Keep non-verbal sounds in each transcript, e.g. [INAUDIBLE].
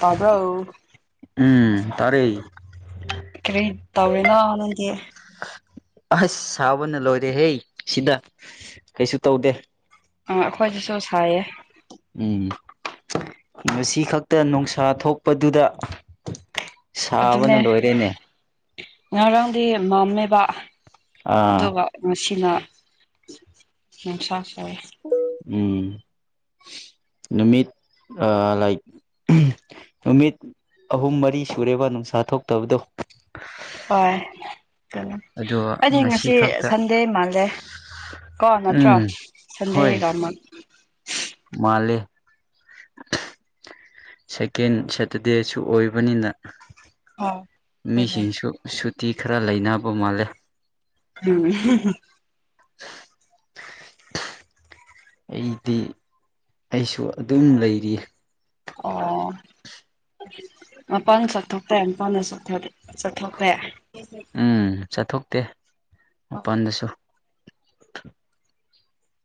ꯇꯥꯕ꯭ꯔꯣ ꯎꯝ ꯇꯥꯔꯦ ꯀꯔꯤ ꯇꯧꯔꯤꯅꯣ ꯅꯪꯗꯤ ꯑꯁ ꯁꯥꯕꯅ ꯂꯣꯏꯔꯦꯍꯦ ꯁꯤꯗ ꯀꯩꯁꯨ ꯇꯧꯗꯦ ꯑꯥ ꯑꯩꯈꯣꯏꯗꯁꯨ ꯁꯥꯏꯌꯦ ꯎꯝ ꯉꯁꯤ ꯈꯛꯇ ꯅꯨꯡꯁꯥ ꯊꯣꯛꯄꯗꯨꯗ ꯑꯗꯨꯅꯦ ꯁꯥꯕꯅ ꯂꯣꯏꯔꯦꯅꯦ ꯉꯔꯥꯡꯗꯤ ꯃꯥꯝꯃꯦꯕ ꯑꯥ ꯑꯗꯨꯒ ꯉꯁꯤꯅ ꯅꯨꯡꯁꯥ ꯁꯥꯏ ꯎꯝ ꯅꯨꯃꯤꯠ ꯂꯥꯏꯛ ꯅꯨꯃꯤꯠ ꯑꯍꯨꯝ ꯃꯔꯤ ꯁꯨꯔꯦꯕ ꯅꯨꯡꯁꯥ ꯊꯣꯛꯇꯕꯗꯣ ꯍꯣꯏ ꯑꯗꯣ ꯑꯩꯗꯤ ꯉꯁꯤ ꯈꯛꯇ ꯁꯟꯗꯦ ꯃꯥꯜꯂꯦ ꯀꯣ ꯅꯠꯇ꯭ꯔꯣ ꯎꯝ ꯍꯣꯏ ꯁꯟꯗꯦꯒ ꯑꯃꯨꯛ ꯃꯥꯜꯂꯦ ꯁꯦꯀꯦꯟ ꯁꯥꯇꯔꯗꯦꯁꯨ ꯑꯣꯏꯕꯅꯤꯅ ꯑꯥ ꯃꯤꯁꯤꯡꯁꯨ ꯁꯨꯇꯤ ꯈꯔ ꯂꯩꯅꯕ ꯃꯥꯜꯂꯦ ꯎꯝ [INAUDIBLE] ꯑꯩꯗꯤ ꯑꯩꯁꯨ ꯑꯗꯨꯝ ꯂꯩꯔꯤ ꯑꯣ ꯃꯄꯥꯟꯗ ꯆꯠꯊꯣꯛꯄ ꯃꯄꯥꯟꯗ ꯆꯠꯊꯣꯛꯇꯦ ꯎꯝ ꯆꯠꯊꯣꯛꯇꯦ ꯃꯄꯥꯟꯗꯁꯨ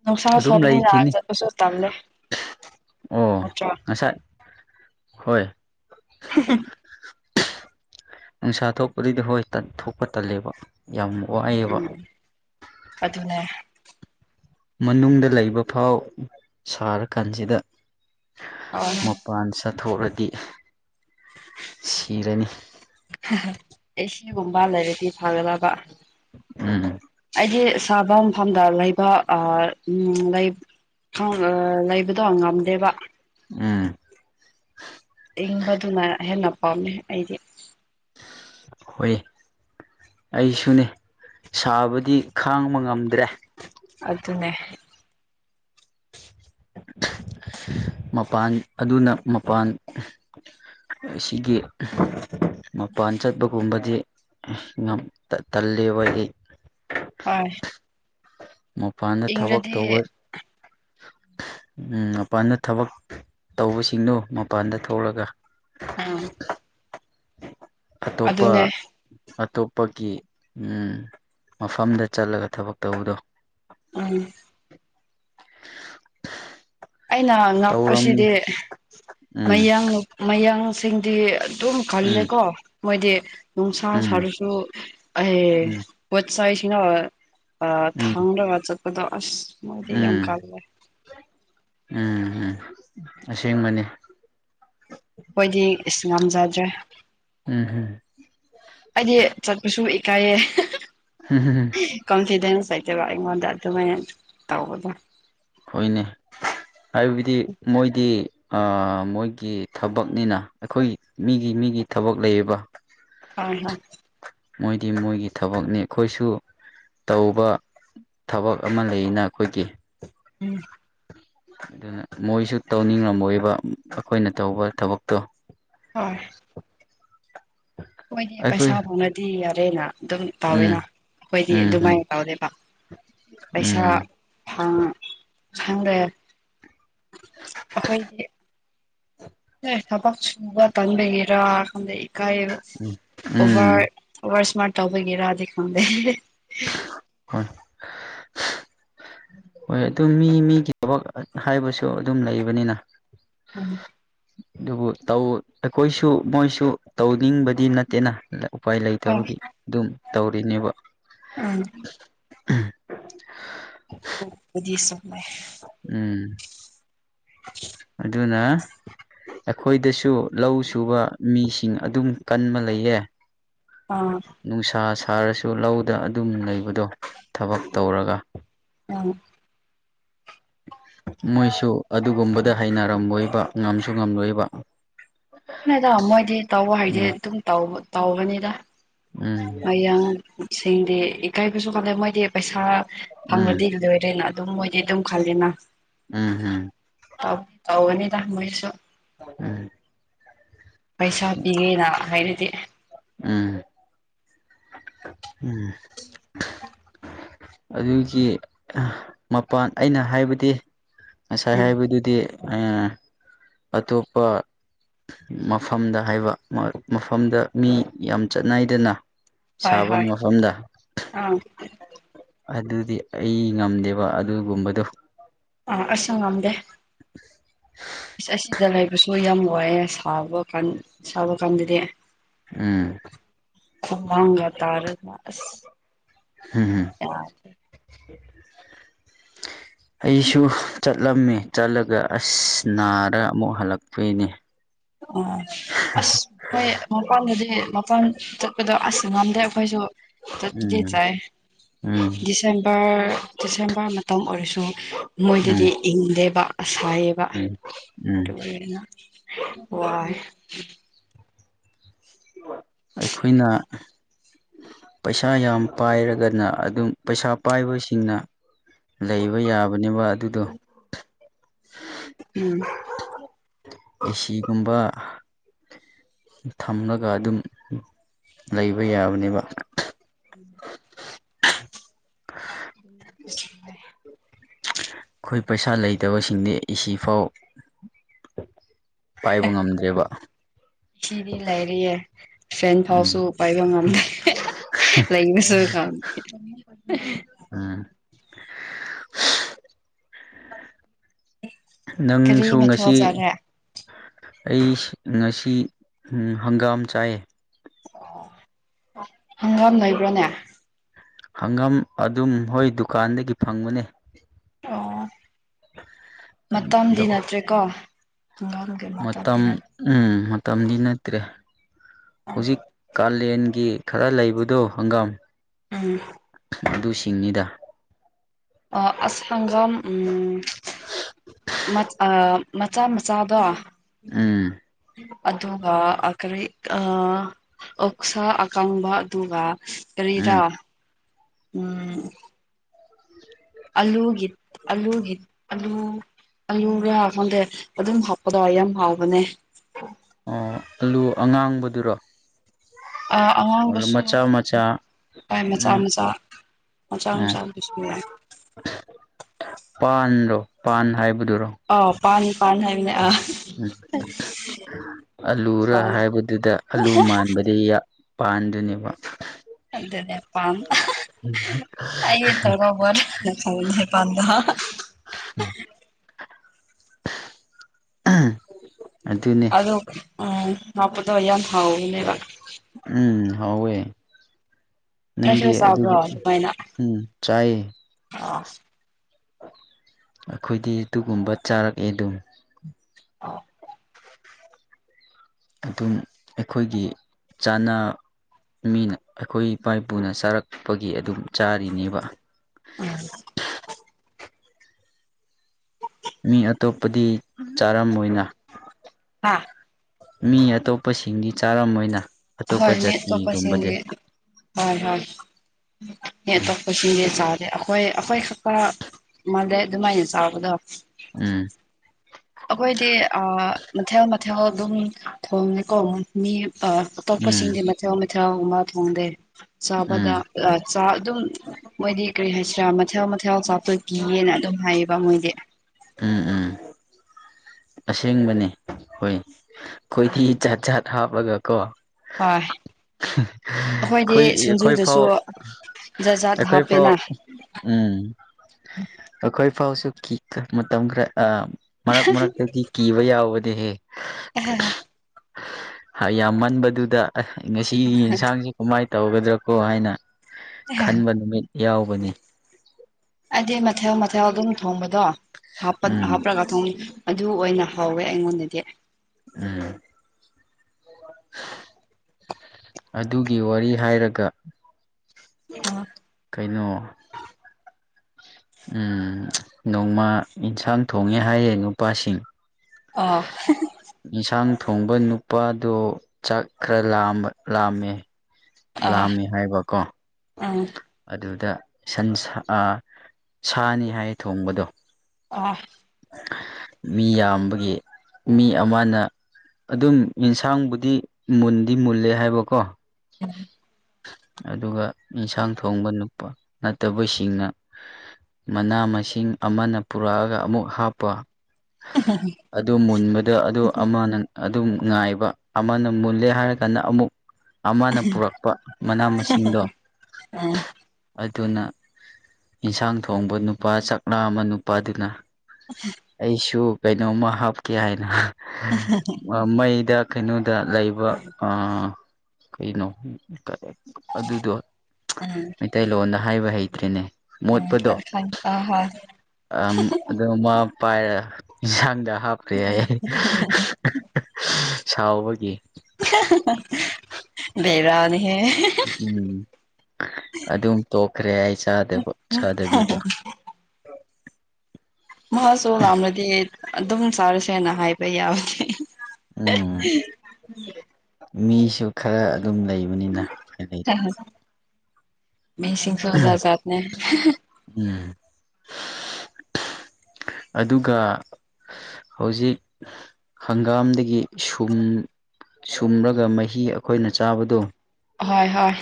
ꯅꯨꯡꯁꯥ ꯑꯗꯨꯝ ꯁꯥꯕꯅꯤꯅ ꯂꯩꯈꯤꯅꯤ ꯆꯠꯄꯁꯨ ꯇꯜꯂꯦ ꯑꯣ ꯅꯠꯇ꯭ꯔꯣ ꯉꯁꯥꯏ ꯍꯣꯏ [INAUDIBLE] ꯅꯨꯡꯁꯥ ꯊꯣꯛꯄꯗꯤꯗ ꯍꯣꯏ ꯊꯣꯛꯄ ꯇꯜꯂꯦꯕ ꯌꯥꯝ ꯋꯥꯏꯌꯦꯕ ꯎꯝ ꯑꯗꯨꯅꯦ ꯃꯅꯨꯡꯗ ꯂꯩꯕ ꯐꯥꯎ ꯁꯥꯔꯀꯥꯟꯁꯤꯗ [UNINTELLIGIBLE] ꯄꯥꯟ ꯆꯥꯊꯣꯛꯂꯗꯤ ꯁꯤꯔꯅꯤ ꯑꯦ ꯁꯤ ꯒꯨꯝꯕ ꯂꯩꯔꯗꯤ ꯐꯒꯗꯕ ꯎꯝ ꯑꯩꯗꯤ ꯁꯥꯕ ꯃꯐꯝꯗ ꯂꯩꯕ ꯑꯥ ꯎꯝ ꯂꯩ ꯂꯩꯕꯗꯣ ꯉꯝꯗꯦꯕ ꯎꯝ ꯏꯪꯕꯗꯨꯅ ꯍꯦꯟꯅ ꯄꯥꯝꯃꯦ ꯑꯩꯗꯤ ꯍꯣꯏ ꯑꯩꯁꯨꯅꯦ ꯁꯥꯕꯗꯤ ꯈꯥꯡꯕ ꯉꯝꯗ꯭ꯔꯦ ꯑꯗꯨꯅꯦ ꯃꯄꯥꯟ ꯑꯗꯨꯅ ꯃꯄꯥꯟ ꯑꯁꯤꯒꯤ ꯃꯄꯥꯟ ꯆꯠꯄꯒꯨꯝꯕꯗꯤ ꯉꯝ ꯇꯜꯂꯦꯕ ꯑꯩ ꯍꯣꯏ ꯃꯄꯥꯟꯗ ꯊꯕꯛ ꯏꯪꯔꯗꯤ ꯇꯧꯕ ꯎꯝ ꯃꯄꯥꯟꯗ ꯊꯕꯛ ꯇꯧꯕꯁꯤꯡꯗꯣ ꯃꯄꯥꯟꯗ ꯊꯣꯛꯂꯒ ꯎꯝ ꯑꯇꯣꯞꯄ ꯑꯗꯨꯅꯦ ꯑꯇꯣꯞꯄꯒꯤ ꯃꯐꯝꯗ ꯆꯠꯂꯒ ꯊꯕꯛ ꯇꯧꯕꯗꯣ ꯎꯝ ꯑꯩꯅ ꯇꯧꯔꯝꯃꯤ ꯉꯥꯛꯄꯁꯤꯗꯤ ꯎꯝ ꯃꯌꯥꯡ ꯃꯌꯥꯡꯁꯤꯡꯗꯤ ꯑꯗꯨꯝ ꯎꯝ ꯈꯜꯂꯦꯀꯣ ꯃꯣꯏꯗꯤ ꯅꯨꯡꯁꯥ ꯎꯝ ꯁꯥꯔꯁꯨ ꯑꯩ ꯎꯝ ꯄꯣꯠ ꯆꯩꯁꯤꯡꯗꯣ ꯎꯝ ꯊꯥꯡꯔꯒ ꯆꯠꯄꯗꯣ ꯑꯁ ꯃꯣꯏꯗꯤ ꯌꯥꯝ ꯎꯝ ꯀꯥꯜꯂꯦ ꯎꯝ ꯎꯝ ꯑꯁꯦꯡꯕꯅꯦ ꯑꯩꯈꯣꯏꯗꯤ ꯏꯁꯁ ꯉꯝꯖꯗ꯭ꯔꯦ ꯎꯝ ꯍꯝ ꯑꯩꯗꯤ ꯆꯠꯄꯁꯨ ꯏꯀꯥꯏꯌꯦ [UNINTELLIGIBLE] ꯀꯝꯐꯤꯗꯦꯟꯁ ꯂꯣꯆꯕ ꯑꯩꯉꯣꯟꯗ ꯑꯗꯨꯃꯥꯏ ꯇꯧꯕꯗꯨ ꯍꯣꯏꯅꯦ ꯍꯥꯏꯕꯗꯤ ꯃꯣꯏꯗꯤ ꯃꯣꯏꯒꯤ ꯊꯕꯛꯅꯤꯅ ꯑꯩꯈꯣꯏ ꯃꯤꯒꯤ ꯃꯤꯒꯤ ꯊꯕꯛ ꯂꯩꯌꯦꯕ [UNINTELLIGIBLE] ꯃꯣꯏꯗꯤ ꯃꯣꯏꯒꯤ ꯊꯕꯛꯅꯤ ꯑꯩꯈꯣꯏꯁꯨ ꯇꯧꯕ ꯊꯕꯛ ꯑꯃ ꯂꯩꯅ ꯑꯩꯈꯣꯏꯒꯤ ꯎꯝ ꯑꯗꯨꯅ ꯃꯣꯏꯁꯨ ꯇꯧꯅꯤꯡꯉꯝꯃꯣꯏꯕ ꯑꯩꯈꯣꯏꯅ ꯇꯧꯕ ꯊꯕꯛꯇꯣ ꯍꯣꯏ ꯃꯣꯏꯗꯤ ꯑꯩꯈꯣꯏ ꯄꯩꯁꯥ ꯐꯪꯂꯗꯤ ꯌꯥꯔꯦꯅ ꯑꯗꯨꯝ ꯎꯝ ꯇꯥꯎꯋꯦꯅ ꯑꯩꯈꯣꯏꯗꯤ ꯎꯝ ꯎꯝ ꯑꯗꯨꯃꯥꯏꯅ ꯇꯥꯎꯗꯦꯕ ꯄꯩꯁꯥ ꯎꯝ ꯐꯥꯡ ꯈꯪꯗ꯭ꯔꯦ ꯑꯩꯈꯣꯏꯗꯤ [INAUDIBLE] ꯊꯕꯛꯁꯨꯕ ꯀꯟꯕꯒꯤꯔꯥ ꯈꯪꯗꯦ ꯏꯀꯥꯏ ꯎꯝ ꯑꯣꯚꯔ ꯑꯣꯚꯔ ꯁꯃꯥꯔꯠ ꯇꯧꯕꯒꯤꯔꯥꯗꯤ ꯈꯪꯗꯦ [UNINTELLIGIBLE] ꯍꯣꯏ ꯑꯗꯨ ꯃꯤ ꯃꯤꯒꯤ ꯊꯕꯛ ꯍꯥꯏꯕꯁꯨ ꯑꯗꯨꯝ ꯂꯩꯕꯅꯤꯅ ꯎꯝ ꯑꯗꯨꯕꯨ ꯇꯧ ꯑꯩꯈꯣꯏꯁꯨ ꯃꯣꯏꯁꯨ ꯇꯧꯅꯤꯡꯕꯗꯤ ꯅꯠꯇꯦꯅ ꯎꯄꯥꯏ ꯍꯣꯏ ꯂꯩꯇꯕꯒꯤ ꯑꯗꯨꯝ ꯇꯧꯔꯤꯅꯦꯕ ꯎꯝ [UNINTELLIGIBLE] ꯎꯝ ꯑꯗꯨꯅ ꯑꯩꯈꯣꯏꯗꯁꯨ ꯂꯧ ꯁꯨꯕ ꯃꯤꯁꯤꯡ ꯑꯗꯨꯝ ꯀꯟꯕ ꯂꯩꯌꯦ ꯑꯥ ꯅꯨꯡꯁꯥ ꯁꯥꯔꯁꯨ ꯂꯧꯗ ꯑꯗꯨꯝ ꯂꯩꯕꯗꯣ ꯊꯕꯛ ꯇꯧꯔꯒ ꯑꯝ ꯃꯣꯏꯁꯨ ꯑꯗꯨꯒꯨꯝꯕꯗ ꯍꯩꯅꯔꯝꯃꯣꯏꯕ ꯉꯝꯁꯨ ꯉꯝꯂꯣꯏꯕ ꯑꯗꯨꯅꯦꯗ ꯃꯣꯏꯗꯤ ꯇꯧꯕ ꯍꯥꯏꯗꯤ ꯎꯝ ꯑꯗꯨꯝ ꯇꯧꯕꯥ ꯇꯧꯕꯅꯤꯗ ꯎꯝ ꯃꯌꯥꯡ ꯏꯁꯤꯡꯗꯤ ꯏꯀꯥꯏꯕꯁꯨ ꯈꯪꯗꯦ ꯃꯣꯏꯗꯤ ꯄꯩꯁꯥ ꯎꯝ ꯐꯪꯉꯗꯤ ꯂꯣꯏꯔꯦꯅꯥ ꯑꯗꯨꯝ ꯃꯣꯏꯗꯤ ꯑꯗꯨꯝ ꯈꯜꯂꯦꯅ ꯎꯝ ꯍꯨꯝ ꯇꯧ ꯇꯧꯒꯅꯤꯗ ꯃꯣꯏꯁꯨ ꯎꯝ ꯄꯩꯁꯥ ꯄꯤꯒꯦꯅ ꯍꯥꯏꯔꯗꯤ ꯎꯝ ꯎꯝ ꯑꯗꯨꯒꯤ ꯃꯄꯥꯟ ꯑꯩꯅ ꯍꯥꯏꯕꯗꯤ ꯉꯁꯥꯏ ꯎꯝ ꯍꯥꯏꯕꯗꯨꯗꯤ ꯑ ꯑꯇꯣꯞꯄ ꯃꯐꯝꯗ ꯍꯥꯏꯕ ꯃꯐꯝꯗ ꯃꯤ ꯌꯥꯝ ꯆꯠꯅꯥꯏꯗꯅ ꯍꯣꯏ ꯍꯣꯏ ꯑꯥ ꯑꯗꯨꯗꯤ ꯑꯩ ꯉꯝꯗꯦꯕ ꯑꯗꯨꯒꯨꯝꯕꯗꯣ ꯑ ꯑꯁꯨ ꯉꯝꯗꯦ ꯑꯁ ꯑꯁꯤꯗ ꯂꯩꯕꯁꯨ ꯌꯥꯝ ꯋꯥꯏꯑꯦ ꯁꯥꯕ ꯀꯥꯟ ꯁꯥꯕ ꯀꯥꯟꯗꯗꯤ ꯎꯝ ꯍꯨꯃꯥꯡꯒ ꯇꯥꯔꯒ ꯑꯁ ꯍꯨꯝ ꯍꯨꯝ [INAUDIBLE] ꯑꯩꯁꯨ ꯆꯠꯂꯝꯃꯦ ꯆꯠꯂꯒ ꯑꯁ ꯅꯥꯔꯒ ꯑꯃꯨꯛ ꯍꯜꯂꯛꯄꯩꯅꯦ ꯑꯣ ꯑꯁ ꯑꯩꯈꯣꯏ ꯃꯄꯥꯟꯗꯗꯤ ꯃꯄꯥꯟ ꯆꯠꯄꯗꯣ ꯑꯁ ꯉꯝꯗꯦ ꯑꯩꯈꯣꯏꯁꯨ ꯆꯞꯄꯨꯗꯤ ꯎꯝ ꯆꯥꯢꯌꯦ ꯗꯤꯁ ꯎꯝ ꯗꯤꯁꯦꯝꯕꯔ ꯗꯤꯁꯦꯝꯕꯔ ꯃꯇꯝ ꯑꯣꯏꯔꯁꯨ ꯃꯣꯏꯗꯨꯗꯤ ꯎꯝ ꯏꯪꯗꯦꯕ ꯑꯁꯥꯏꯌꯦ ꯕ ꯎꯝ ꯎꯝ ꯗꯨꯒꯤ ꯑꯩꯅ ꯋꯥꯢ ꯑꯩꯈꯣꯏꯅ ꯄꯩꯁꯥ ꯌꯥꯝ ꯄꯥꯏꯔꯒꯅ ꯑꯗꯨꯝ ꯄꯩꯁꯥ ꯄꯥꯏꯕꯁꯤꯡꯅ ꯂꯩꯕ ꯌꯥꯕꯅꯦꯕ ꯑꯗꯨꯗꯣ [INAUDIBLE] ꯎꯝ ꯑꯦ ꯁꯤꯒꯨꯝꯕ ꯊꯝꯂꯒ ꯑꯗꯨꯝ ꯂꯩꯕ ꯌꯥꯕꯅꯦꯕ [INAUDIBLE] [INAUDIBLE] ꯈꯣꯏ ꯄꯩꯁꯥ ꯂꯩꯇꯕꯁꯤꯡꯗꯤ ꯑꯦ ꯁꯤꯐꯥꯎ ꯄꯥꯏꯕ ꯉꯝꯗ꯭ꯔꯦꯕ [UNINTELLIGIBLE] ꯗꯤ ꯂꯩꯔꯤꯌꯦ ꯐꯦꯟ ꯎꯝ ꯐꯥꯎꯁꯨ ꯄꯥꯏꯕ ꯉꯝꯗꯦ ꯂꯩꯕꯁꯨ ꯉꯝꯗꯦ ꯑꯝ ꯅꯪꯁꯨ ꯀꯔꯤ ꯃꯊꯦꯜ ꯉꯁꯤ ꯆꯥꯔꯦ ꯑꯩꯁꯤ ꯉꯁꯤ ꯍꯪꯒꯥꯝ ꯆꯥꯏ ꯍꯪꯒꯥꯝ ꯂꯩꯕ꯭ꯔꯅꯦ ꯍꯪꯒꯥꯝ ꯑꯗꯨꯝ ꯍꯣꯏ ꯗꯨꯀꯥꯟꯗꯒꯤ ꯐꯪꯕꯅꯦ ꯑꯣ ꯃꯇꯝꯗꯤ ꯑꯗꯣ ꯅꯠꯇ꯭ꯔꯦꯀꯣ ꯈꯪꯒꯒꯤ ꯃꯇꯝꯗꯤ ꯃꯇꯝ ꯅꯠꯇ꯭ꯔꯦ ꯎꯝ ꯃꯇꯝꯗꯤ ꯅꯠꯇ꯭ꯔꯦ ꯍꯧꯖꯤꯛ ꯀꯥꯂꯦꯟꯒꯤ ꯈꯔ ꯂꯩꯕꯗꯣ ꯍꯪꯒꯥꯝ ꯎꯝ ꯑꯗꯨꯁꯤꯡꯅꯤꯗ ꯑꯥ ꯑꯁ ꯍꯪꯟꯒꯝ ꯎꯝ ꯃꯆ ꯑꯥ ꯃꯆꯥ ꯃꯆꯥꯗꯣ ꯎꯝ ꯑꯗꯨꯒ ꯑꯥ ꯀꯔꯤ ꯑꯥ ꯑꯣꯛꯁꯥ ꯑꯀꯪꯕ ꯑꯗꯨꯒ ꯀꯔꯤꯔꯥ ꯎꯝ ꯎꯝ ꯎꯝ [INAUDIBLE] ꯑꯂꯨꯒꯤ ꯑꯂꯨꯒꯤ ꯑꯂꯨ ꯑꯂꯨꯒ ꯈꯣꯟꯗꯦ ꯑꯗꯨꯝ ꯍꯥꯞꯄꯗꯣ ꯌꯥꯝ ꯍꯥꯎꯕꯅꯦ ꯑꯥ ꯑꯂꯨ ꯑꯉꯥꯡꯕꯗꯨꯔꯣ ꯑꯥ ꯑꯉꯥꯡꯕꯁꯨ ꯃꯆꯥ ꯃꯆꯥ ꯌꯣꯏ ꯃꯆꯥ ꯎꯝ ꯃꯆꯥ ꯃꯆꯥ ꯃꯆꯥ ꯑꯗꯨꯁꯨ ꯌꯥꯏ ꯄꯥꯟꯗꯣ ꯄꯥꯟ ꯍꯥꯏꯕꯗꯨꯔꯣ ꯑꯥꯎ ꯄꯥꯟ ꯄꯥꯟ ꯍꯥꯏꯕꯅꯦ ꯑꯥ ꯎꯝ ꯑꯂꯨꯔꯥ ꯄꯥꯟ ꯍꯥꯏꯕꯗꯨꯗ ꯑꯂꯨ ꯃꯥꯟꯕꯗꯤ ꯄꯥꯟꯗꯨꯅꯦꯕ ꯑꯗꯨꯗꯅꯦ ꯄꯥꯟ ꯑꯩ ꯇꯒꯣꯕ [UNINTELLIGIBLE] [UNINTELLIGIBLE] [UNINTELLIGIBLE] ꯑꯗꯨꯅꯦ ꯑꯗꯨ ꯎꯝ ꯍꯥꯞꯄꯗꯣ ꯌꯥꯝ ꯍꯥꯎꯕꯅꯦꯕꯥ ꯎꯝ ꯍꯥꯎꯋꯦ ꯅꯪꯗꯤ ꯅꯣꯏꯁꯨ ꯆꯥꯕ꯭ꯔꯣ ꯑꯗꯨꯒ ꯎꯝ ꯆꯥꯏꯌꯦ ꯑ [UNINTELLIGIBLE] ꯑꯩꯈꯣꯏꯗꯤ ꯑꯗꯨꯒꯨꯝꯕ ꯆꯥꯔꯛꯑꯦ ꯑꯗꯨꯝ ꯑ [UNINTELLIGIBLE] ꯑꯗꯨꯝ ꯑꯩꯈꯣꯏꯒꯤ ꯆꯥꯅ ꯃꯤꯅ ꯑꯩꯈꯣꯏ ꯏꯄꯥ ꯏꯄꯨꯅ ꯆꯥꯔꯛꯄꯒꯤ ꯑꯗꯨꯝ ꯆꯥꯔꯤꯅꯦꯕ ꯎꯝ ꯃꯤ ꯑꯇꯣꯞꯄꯗꯤ ꯆꯥꯔꯝꯃꯣꯏꯅ ꯍꯥꯥ ꯃꯤ ꯑꯇꯣꯞꯄꯁꯤꯡꯗꯤ ꯆꯥꯔꯝꯑꯣꯏꯅ ꯑꯇꯣꯞꯄ ꯍꯣꯏ ꯃꯤ ꯖꯥꯇꯤꯒꯨꯝꯕꯗꯤ ꯑꯇꯣꯞꯄꯁꯤꯡꯒꯤ ꯍꯣꯏ ꯍꯣꯏ ꯃꯤ ꯑꯇꯣꯞꯄ ꯁꯤꯡꯗꯤ ꯑꯩꯈꯣꯏ ꯑꯩꯈꯣꯏ ꯈꯛꯛꯇ ꯃꯥꯜꯂꯦ ꯑꯗꯨꯃꯥꯏꯅ ꯆꯥꯕꯗꯣ ꯎꯝ ꯑꯩꯈꯣꯏꯗꯤ ꯑꯥ ꯃꯊꯦꯜ ꯃꯊꯦꯜ ꯑꯗꯨꯝ ꯊꯣꯡꯉꯦꯀꯣ ꯃꯤ ꯑꯥ ꯎꯝ ꯑꯇꯣꯞꯄꯁꯤꯡꯗꯤ ꯃꯊꯦꯜ ꯃꯊꯦꯜꯒꯨꯕ ꯊꯣꯡꯗꯦ ꯆꯥꯕꯗ ꯎꯝ ꯆꯥ ꯑꯗꯨꯝ ꯃꯣꯏꯗꯤ ꯀꯔꯤ ꯍꯥꯏꯁꯤꯔꯥ ꯃꯊꯦꯜ ꯃꯊꯦꯜ ꯆꯥꯕꯗꯣ ꯀꯤꯌꯦꯅ ꯑꯗꯨꯝ ꯍꯥꯏꯌꯦꯕ ꯃꯣꯏꯗꯤ ꯎꯝ ꯎꯝ ꯑꯁꯦꯡꯕꯅꯦ ꯍꯣꯏ ꯈꯣꯏꯊꯤ ꯖꯥꯠ ꯖꯥꯠ ꯍꯥꯞꯔꯒ ꯀꯣ ꯍꯣꯏ [INAUDIBLE] ꯑꯩꯈꯣꯏꯗꯤ ꯈꯣꯏ ꯑꯩꯈꯣꯏ ꯁꯤꯡꯖꯨꯗꯁꯨ ꯐꯥꯎ ꯖꯥꯠ ꯖꯥꯠ ꯑꯩꯈꯣꯏ ꯐꯥꯎ ꯍꯥꯞꯄꯦꯅ ꯎꯝ ꯑꯩꯈꯣꯏ ꯐꯥꯎꯁꯨ ꯀꯤꯀꯣ ꯃꯇꯝ ꯈꯔ ꯃꯔꯛ ꯃꯔꯛꯇꯗꯤ ꯀꯤꯕ ꯌꯥꯎꯕꯅꯦꯍꯦ [INAUDIBLE] ꯌꯥꯝ ꯃꯟꯕꯗꯨꯗ ꯉꯁꯤ ꯌꯦꯟꯁꯥꯡꯁꯦ ꯀꯃꯥꯏ ꯇꯧꯒꯗ꯭ꯔꯥꯀꯣ ꯍꯥꯏꯅ ꯈꯟꯕ ꯅꯨꯃꯤꯠ ꯌꯥꯎꯕꯅꯦ ꯑꯩꯗꯤ ꯃꯊꯦꯜ ꯃꯊꯦꯜ ꯑꯗꯨꯝ ꯊꯣꯡꯕꯗꯣ ꯍꯥꯞꯄ ꯎꯝ ꯍꯥꯞꯔꯒ ꯑꯗꯨ ꯑꯣꯏꯅ ꯍꯥꯎꯋꯦ ꯑꯩꯉꯣꯟꯗꯗꯤ ꯎꯝ ꯑꯗꯨꯒꯤ ꯋꯥꯔꯤ ꯍꯥꯏꯔꯒ ꯑ [UNINTELLIGIBLE] ꯀꯩꯅꯣ ꯎꯝ ꯅꯣꯡꯃ ꯑꯦꯟꯁꯥꯡ ꯊꯣꯡꯉꯦ ꯍꯥꯏꯌꯦ ꯅꯨꯄꯥꯁꯤꯡ ꯑꯥ ꯌꯦꯟꯁꯥꯡ ꯊꯣꯡꯕ ꯅꯨꯄꯥꯗꯣ ꯆꯥꯛ ꯈꯔ ꯂꯥꯝꯕ ꯂꯥꯝꯃꯦ ꯂꯥꯝꯃꯤ ꯍꯥꯏꯕꯀꯣ ꯎꯝ ꯑꯗꯨꯗ ꯁꯟ ꯁꯥ ꯁꯥꯅꯤ ꯍꯥꯏ ꯊꯣꯡꯕꯗꯣ [UNINTELLIGIBLE] ꯃꯤ ꯌꯥꯝꯕꯒꯤ ꯃꯤ ꯑꯃꯅ ꯑꯗꯨꯝ ꯢꯟꯁꯥꯡꯕꯨꯗꯤ ꯃꯨꯟꯗꯤ ꯃꯨꯜꯂꯦ ꯍꯥꯏꯕꯀꯣ ꯑꯗꯨꯒ ꯏꯟꯁꯥꯡ ꯊꯣꯡꯕ ꯅꯨ ꯅꯠꯇꯕꯁꯤꯡꯅ ꯃꯅꯥ ꯃꯁꯤꯡ ꯑꯃꯅ ꯄꯨꯔꯛꯑꯒ ꯑꯃꯨꯛ ꯍꯥꯞꯄ ꯑꯗꯨ ꯃꯨꯟꯕꯗ ꯑꯗꯨ ꯑꯃ ꯅꯪ ꯑꯗꯨꯝ ꯉꯥꯏꯕ ꯑꯃꯅ ꯃꯨꯜꯂꯦ ꯍꯥꯏꯔꯀꯥꯟꯗ ꯑꯃꯨꯛ ꯑꯃꯅ ꯄꯨꯔꯛꯄ ꯃꯅꯥ ꯃꯁꯤꯡꯗꯣ ꯎꯝ ꯑꯗꯨꯅ ꯢꯟꯁꯥꯡ ꯊꯣꯡꯕ ꯅꯨꯄꯥ ꯆꯥꯛ ꯂꯥꯝꯕꯥ ꯅꯨꯄꯥꯗꯨꯅ ꯑꯩꯁꯨ ꯀꯩꯅꯣꯝꯃ ꯍꯥꯞꯀꯦ ꯍꯥꯏꯅ ꯃꯩꯗ ꯀꯩꯅꯣꯗ ꯂꯩꯕ ꯑꯥ ꯀꯩꯅꯣ ꯑꯗꯨꯗꯣ ꯎꯝ ꯃꯩꯇꯩꯂꯣꯟꯗ ꯍꯥꯏꯕ ꯍꯩꯇ꯭ꯔꯦꯅꯦ ꯃꯣꯠꯄꯗꯣ ꯎꯝ ꯑ ꯑꯗꯨ ꯃꯥ ꯄꯥꯏꯔ ꯢꯟꯁꯥꯡꯗ ꯍꯥꯞ ꯄꯦ ꯍꯥꯢꯌꯦ ꯁꯥꯎꯕꯒꯤ ꯕꯦꯔꯥꯅꯤꯍꯦ ꯎꯝ ꯑꯗꯨꯝ ꯇꯣꯛꯈ꯭ꯔꯦ ꯑꯩ ꯆꯥꯗꯕ ꯆꯥꯗꯕꯤꯗ ꯃꯍꯥꯛꯁꯨ ꯌꯥꯝꯔꯗꯤ ꯑꯗꯨꯝ ꯆꯥꯔꯁꯦꯅ ꯍꯥꯏꯕ ꯌꯥꯕꯅꯦ ꯎꯝ ꯃꯤꯁꯨ ꯈꯔ ꯑꯗꯨꯝ ꯂꯩꯕꯅꯤꯅ [UNINTELLIGIBLE] ꯃꯤꯁꯤꯡꯁꯨ ꯖꯥꯠ ꯖꯥꯠꯅꯦ ꯎꯝ ꯑꯗꯨꯒ ꯍꯧꯖꯤꯛ ꯍꯪꯒꯥꯝꯗꯒꯤ ꯁꯨꯝ ꯁꯨꯝꯔꯒ ꯃꯍꯤ ꯑꯩꯈꯣꯏꯅ ꯆꯥꯕꯗꯣ ꯍꯣꯏ ꯍꯣꯏ